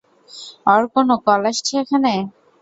ওর কোনো কল আসছে এখানে?